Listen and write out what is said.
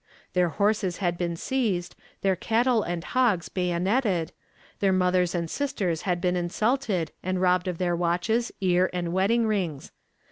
Their horses had been seized; their cattle and hogs bayoneted; their mothers and sisters had been insulted, and robbed of their watches, ear and wedding rings.